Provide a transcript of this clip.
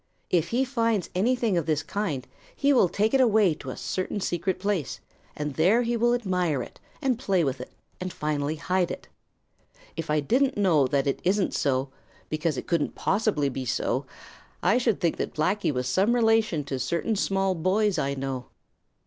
If he finds anything of this kind, he will take it away to a certain secret place, and there he will admire it and play with it and finally hide it. If I didn't know that it isn't so, because it couldn't possibly be so, I should think that Blacky was some relation to certain small boys I know.